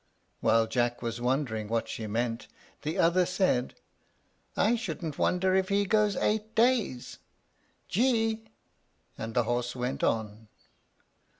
While Jack was wondering what she meant, the other said, "I shouldn't wonder if he goes eight days. Gee!" and the horse went on.